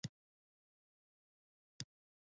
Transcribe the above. ډکې سترګې ولاړې